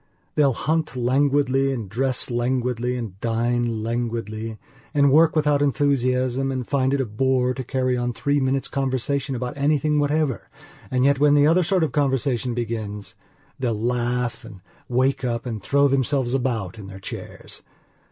They'll hunt languidly and dress languidly and dine languidly and work without enthusiasm and find it a bore to carry on three minutes' conversation about anything whatever and yet, when the other sort of conversation begins, they'll laugh and wake up and throw themselves about in their chairs.